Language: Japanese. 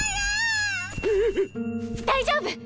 大丈夫！